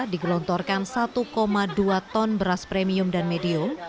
digelontorkan satu dua ton beras premium dan medium